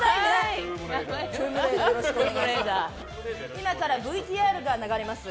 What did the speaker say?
今からＶＴＲが流れます。